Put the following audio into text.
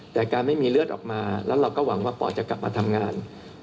แต่การไม่มีเลือดออกมาแล้วเราก็หวังว่าปอดจะกลับมาทำงาน